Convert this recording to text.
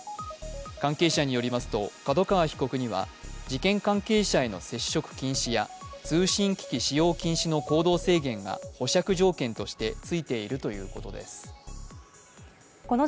関係者によりますと角川被告には事件関係者への接触禁止や通信機器使用禁止の行動制限が保釈条件としてついているということです。